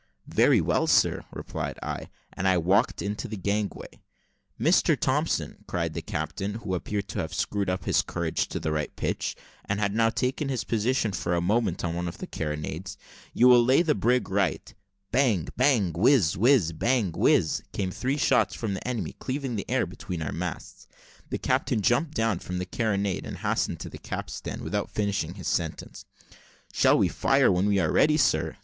"Very well, sir," replied I, and I walked to the gangway. "Mr Thompson," cried the captain, who appeared to have screwed up his courage to the right pitch, and had now taken his position for a moment on one of the carronades; "you will lay the brig right " Bang, bang whiz, whiz bang whiz, came three shots from the enemy, cleaving the air between our masts. The captain jumped down from the carronade, and hastened to the capstan, without finishing his sentence. "Shall we fire when we are ready, sir?"